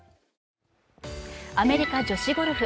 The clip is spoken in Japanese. アメリカ女子ゴルフ。